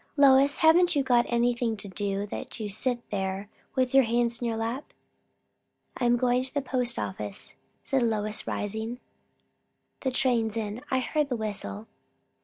Lois, haven't you got anything to do, that you sit there with your hands in your lap?" "I am going to the post office," said Lois, rising; "the train's in. I heard the whistle."